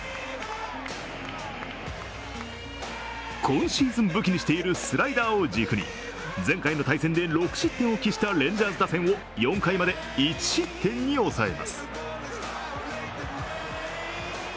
今シーズン、武器にしているスライダーを軸に前回の対戦で６失点を喫したレンジャーズ打線を４回まで１失点に抑えます。